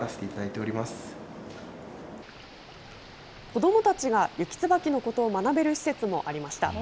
子どもたちがユキツバキのことを学べる施設もありました。